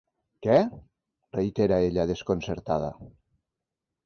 Què? —reitera ella, desconcertada.